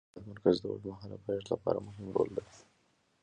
د هېواد مرکز د اوږدمهاله پایښت لپاره مهم رول لري.